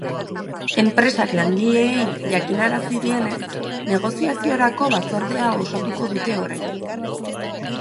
Enpresak langileei jakinarazi dienez, negoziaziorako batzordea osatuko dute orain.